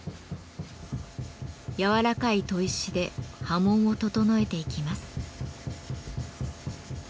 やわらかい砥石で刃文を整えていきます。